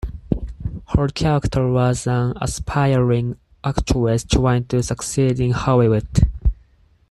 Her character was an aspiring actress trying to succeed in Hollywood.